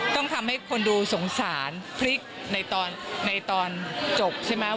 ต้องทำให้คนดูสงสารพริกในตอนจบใช่ไหม